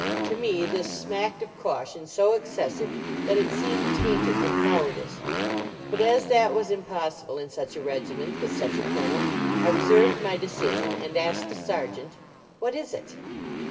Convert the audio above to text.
To me this smacked of caution so excessive that it seemed tainted with cow ardice. But as that was impossible in such 14 209 LAUREL AND CYPRESS a regiment, with such a Colonel, I reserved my decision, and asked a sergeant: "What is it?"